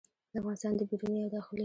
د افغانستان د بیروني او داخلي